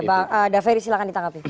pak daferi silahkan ditangkapi